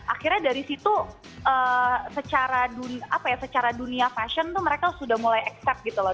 akhirnya dari situ secara dunia fashion tuh mereka sudah mulai accept gitu loh